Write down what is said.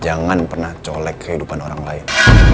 jangan pernah colek kehidupan orang lain